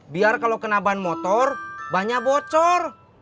biar kalo kena ban motor bahannya bocor